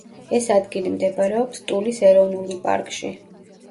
ეს ადგილი მდებარეობს ტულის ეროვნული პარკში.